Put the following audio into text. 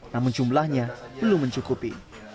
namun jumlahnya belum mencukupi